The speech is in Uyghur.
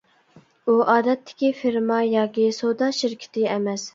ئۇ ئادەتتىكى فېرما ياكى سودا شىركىتى ئەمەس.